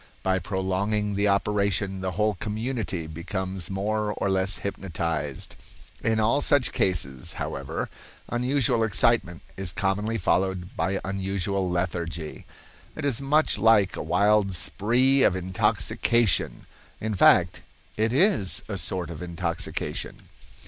By prolonging the operation, a whole community becomes more or less hypnotized. In all such cases, however, unusual excitement is commonly followed by unusual lethargy. It is much like a wild spree of intoxication—in fact, it is a sort of intoxication.